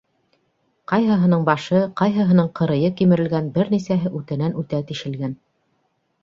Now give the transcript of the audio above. Ҡайһыһының башы, ҡайһыһының ҡырыйы кимерелгән, бер нисәһе үтәнән-үтә тишелгән.